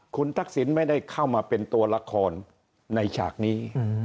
คุณทักษิณไม่ได้เข้ามาเป็นตัวละครในฉากนี้